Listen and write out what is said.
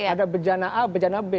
ada bencana a bejana b